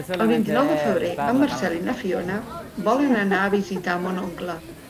El vint-i-nou de febrer en Marcel i na Fiona volen anar a visitar mon oncle.